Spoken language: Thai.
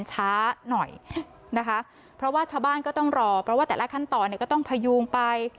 ชาวบ้านก็ต้องรอแต่ละขั้นต่อก็ต้องพยูงไป